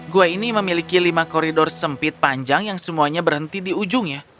gua ini memiliki lima koridor sempit panjang yang semuanya berhenti di ujungnya